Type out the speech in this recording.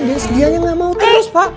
dan dia gak mau terus pak